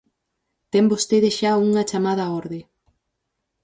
Ten vostede xa unha chamada á orde.